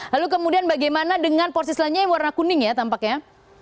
lalu kemudian bagaimana dengan porsi selanjutnya yang warna kuning ya tampaknya